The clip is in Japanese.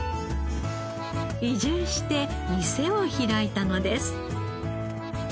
移住して店を開いたのです。